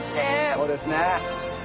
そうですね。